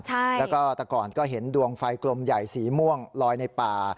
แล้วก็แต่ก่อนก็เห็นดวงไฟกลมใหญ่สีม่วงลอยในป่า